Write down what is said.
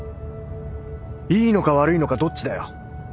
いいのか悪いのかどっちだよ。